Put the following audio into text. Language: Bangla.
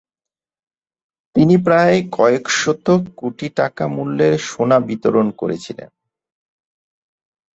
তিনি প্রায় কয়েকশত কোটি টাকা মূল্যের সোনা বিতরণ করেছিলেন।